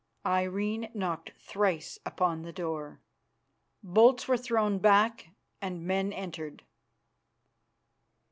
Irene knocked thrice upon the door. Bolts were thrown back, and men entered.